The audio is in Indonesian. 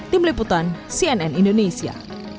tim liputan cnn indonesia